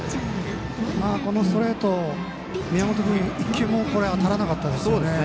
このストレート、宮本君１球も当たらなかったですね。